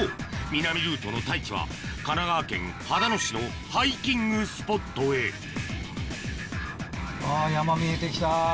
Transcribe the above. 南ルートの太一は神奈川県秦野市のハイキングスポットへあぁ山見えて来た。